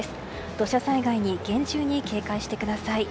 土砂災害に厳重に警戒してください。